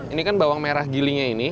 ini kan bawang merah gilingnya ini